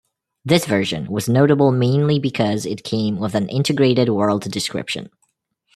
This version was notable mainly because it came with an integrated world description.